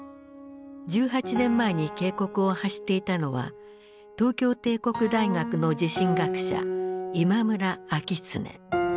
１８年前に警告を発していたのは東京帝国大学の地震学者今村明恒。